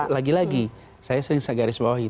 lagi lagi saya sering segaris bawahi